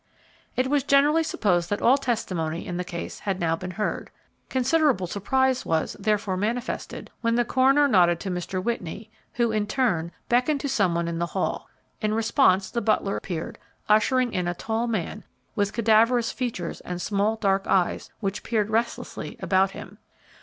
It was generally supposed that all testimony in the case had now been heard. Considerable surprise was, therefore, manifested when the coroner nodded to Mr. Whitney, who, in turn, beckoned to some one in the hall. In response the butler appeared, ushering in a tall man, with cadaverous features and small, dark eyes, which peered restlessly about him.